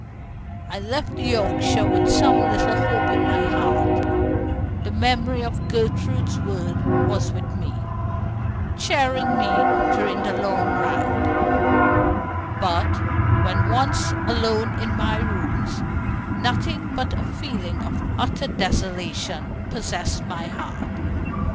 I left Yorkshire with some little hope in my heart the memory of Gertrude's words was with me, cheering me during the long ride; but when once alone in my rooms, nothing but a feeling of utter desolation possessed my heart.